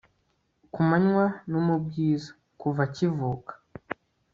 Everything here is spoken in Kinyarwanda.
Ku manywa no mu bwiza kuva akivuka